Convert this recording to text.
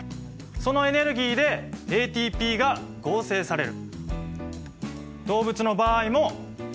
そのエネルギーでＡＴＰが合成される。